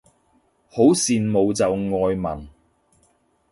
好羨慕就外文